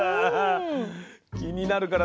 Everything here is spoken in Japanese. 気になる！